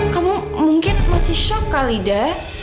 kamu mungkin masih shock kali dah